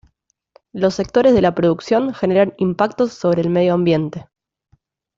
Los sectores de la producción generan impactos sobre el medio ambiente.